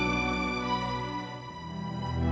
bagaimana kalau ada siapa